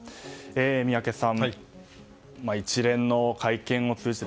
宮家さん、一連の会見を通じて